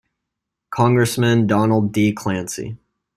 Congressman Donald D. Clancy.